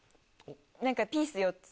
何かピース４つ。